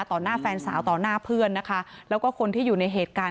หน้าแฟนสาวต่อหน้าเพื่อนนะคะแล้วก็คนที่อยู่ในเหตุการณ์